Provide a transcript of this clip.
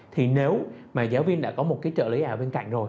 thì nếu mà giáo viên đã có một cái trợ lý ảo bên cạnh rồi